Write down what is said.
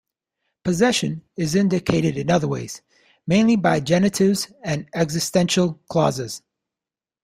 Possession is indicated in other ways, mainly by genitives and existential clauses.